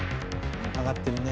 上がってるね。